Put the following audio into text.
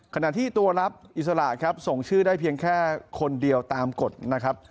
ขณะที่ตัวรับอิสระครับส่งชื่อได้เพียงแค่คนเดียวตามกฎนะครับ